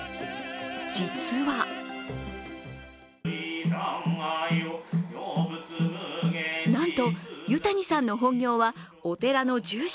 実はなんと油谷さんの本業はお寺の住職。